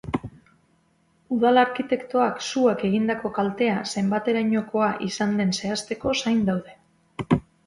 Udal arkitektoak suak egindako kaltea zenbaterainokoa izan den zehazteko zain daude.